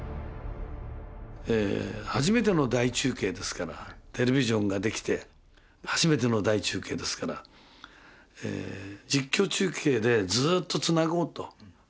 初めての大中継ですからテレビジョンができて初めての大中継ですから実況中継でずっとつなごうと。